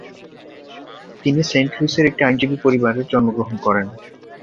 তিনি সেন্ট-লুইসের একটি আইনজীবী পরিবারে জন্মগ্রহণ করেন।